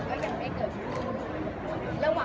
มันเป็นสิ่งที่จะให้ทุกคนรู้สึกว่า